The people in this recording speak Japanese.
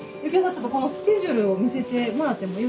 ちょっとこのスケジュールを見せてもらってもよい？